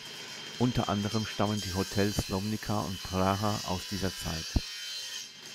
Unter anderem stammen die Hotels Lomnica und Praha aus dieser Zeit.